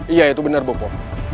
iya itu benar bopo